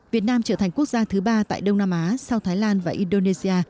việt nam trở thành quốc gia thứ ba tại đông nam á sau thái lan và indonesia